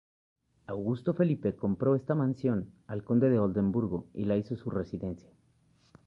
Augusto Felipe compró esta mansión al Conde de Oldenburgo, y la hizo su residencia.